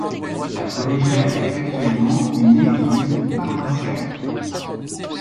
La collégiale est actuellement une église paroissiale.